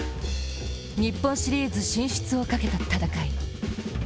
日本シリーズ進出をかけた戦い。